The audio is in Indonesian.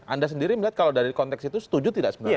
anda sendiri melihat kalau dari konteks itu setuju tidak sebenarnya